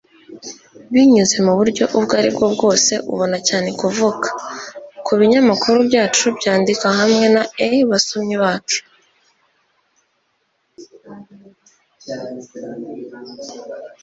binyuze muburyo ubwo aribwo bwose ubona cyane kuvuka. kubinyamakuru byacu byandika hamwe na e-basomyi bacu